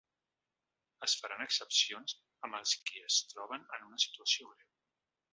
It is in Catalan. Es faran excepcions amb els qui es troben en una situació greu.